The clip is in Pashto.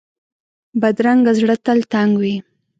بدرنګه زړه تل تنګ وي